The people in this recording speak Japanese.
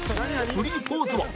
フリーポーズは？